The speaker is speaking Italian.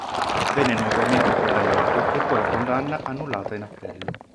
Venne nuovamente condannato e poi la condanna annullata in appello.